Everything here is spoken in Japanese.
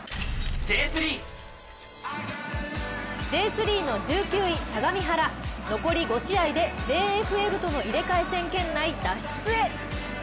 Ｊ３の１９位、相模原、残り５試合でＪＦＬとの入れ替え戦圏内脱出へ。